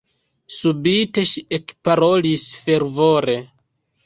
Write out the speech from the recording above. Subite ŝi ekparolis fervore: